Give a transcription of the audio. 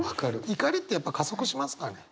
怒りってやっぱ加速しますかね。